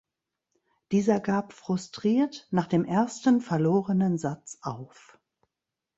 Dieser gab frustriert nach dem ersten verlorenen Satz auf.